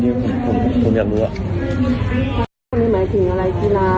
มีหมายถึงอะไรกีฬาหรืออะไร